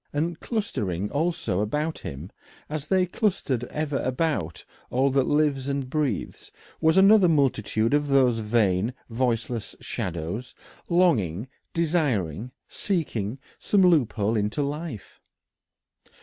And clustering also about him, as they clustered ever about all that lives and breathes, was another multitude of these vain voiceless shadows, longing, desiring, seeking some loophole into life.